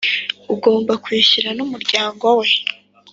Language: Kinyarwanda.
ugomba kwishyura n’ umuryango we